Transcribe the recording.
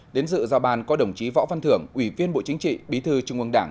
đến dự giao ban có đồng chí võ văn thưởng ủy viên bộ chính trị bí thư trung ương đảng